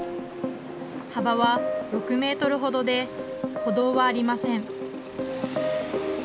幅は６メートルほどで歩道はありません。